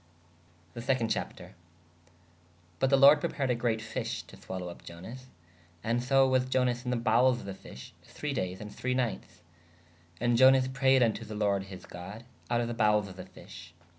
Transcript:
¶ The seconde Chapter. But [the] lorde prepared a greate fyshe/ to swalow vp Ionas. And so was Ionas in [the] bowels of [the] fish .iij. dayes & .iij. nightes. And Ionas prayed vnto [the] lord his god out of [the] bowels of the fish.